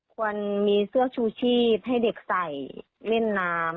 ควรมีเสื้อชูชีพให้เด็กใส่เล่นน้ำ